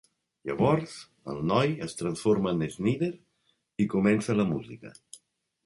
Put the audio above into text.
Llavors, el noi es transforma en Snider i comença la música.